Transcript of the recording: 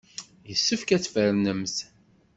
Yessefk ad tfernemt.